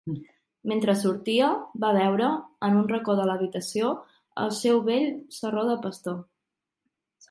Mentre sortia, va veure, en un racó de l'habitació, el seu vell sarró de pastor.